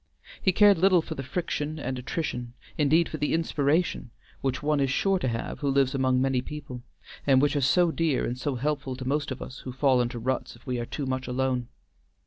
He cared little for the friction and attrition, indeed for the inspiration, which one is sure to have who lives among many people, and which are so dear and so helpful to most of us who fall into ruts if we are too much alone.